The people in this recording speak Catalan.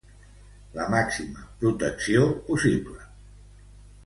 La màxima protecció possible.